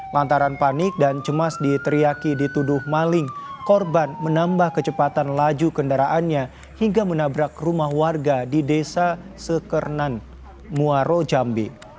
lantaran panik dan cemas diteriaki dituduh maling korban menambah kecepatan laju kendaraannya hingga menabrak rumah warga di desa sekernan muaro jambi